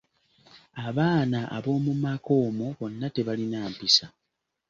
Abaana abomu maka omwo bonna tebalina mpisa.